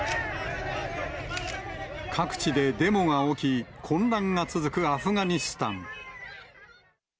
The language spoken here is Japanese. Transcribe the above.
各地でデモが起き、混乱が続くアフガニスタン。